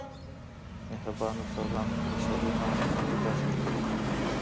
مهربانه استادانو خپلو شاګردانو ته نوی درس ورکړی دی.